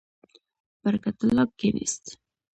برکت الله کښېنست.